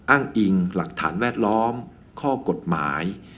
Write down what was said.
อ้างอิงหลักฐานแวดล้อมข้อกฎหมาย